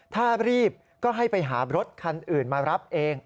ถ้ารีบก็ให้ไปหารถคันอื่นมารับเอง